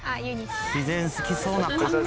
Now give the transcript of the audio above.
「自然好きそうな格好」